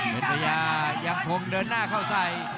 เพชรภัยายังคงเดินหน้าเข้าใส่